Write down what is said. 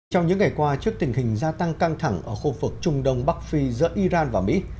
trong những ngày qua trước tình hình gia tăng căng thẳng ở khu vực trung đông bắc phi giữa iran và mỹ